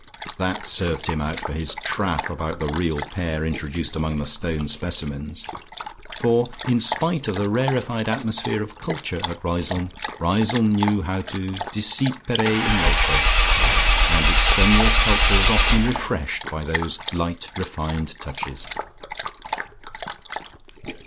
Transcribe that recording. That served him out for his "trap" about the real pear introduced among the stone specimens. For in spite of the rarefied atmosphere of culture at Riseholme, Riseholme knew how to "desipere in loco," and its strenuous culture was often refreshed by these light refined touches.